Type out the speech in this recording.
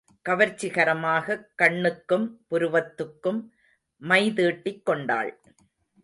கவர்ச்சிகரமாகக் கண்ணுக்கும் புருவத்துக்கும் மைதீட்டிக் கொண்டாள்.